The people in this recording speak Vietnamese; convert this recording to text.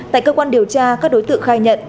tại cơ quan điều tra các đối tượng khai nhận